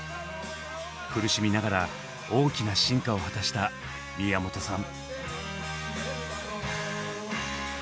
苦しみながら大きな進化を果たした宮本さん。